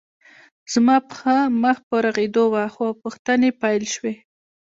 زما پښه مخ په روغېدو وه خو پوښتنې پیل شوې